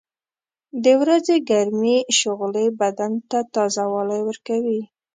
• د ورځې ګرمې شغلې بدن ته تازهوالی ورکوي.